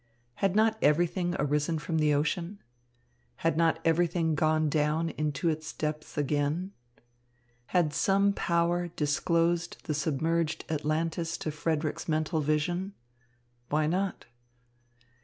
Had not everything arisen from the ocean? Had not everything gone down into its depths again? Had some power disclosed the submerged Atlantis to Frederick's mental vision? Why not?